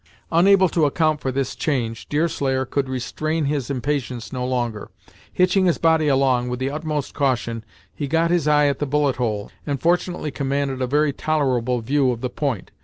Unable to account for this change, Deerslayer could restrain his impatience no longer. Hitching his body along, with the utmost caution, he got his eye at the bullet hole, and fortunately commanded a very tolerable view of the point.